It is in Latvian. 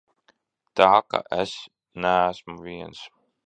Tā ka es neesmu viens.